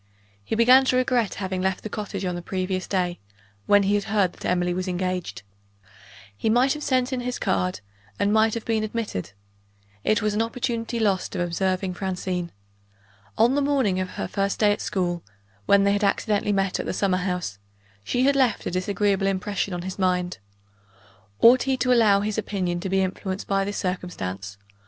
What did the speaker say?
He began to regret having left the cottage, on the previous day, when he had heard that Emily was engaged. He might have sent in his card, and might have been admitted. It was an opportunity lost of observing Francine. On the morning of her first day at school, when they had accidentally met at the summer house, she had left a disagreeable impression on his mind. Ought he to allow his opinion to be influenced by this circumstance?